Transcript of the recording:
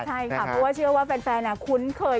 ใช่ค่ะเพราะว่าเชื่อว่าแฟนคุ้นเคย